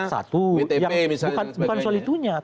bukan soal itunya